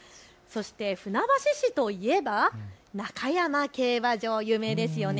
そして船橋市といえば中山競馬場、有名ですよね。